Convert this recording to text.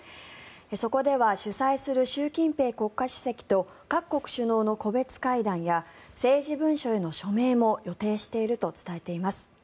そこでは主催する習近平国家主席と各国首脳の個別会談や政治文書への署名も予定していると伝えています。